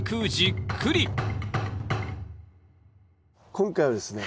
今回はですね